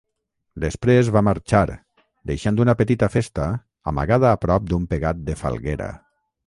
Després va marxar, deixant una petita festa amagada a prop d'un pegat de falguera.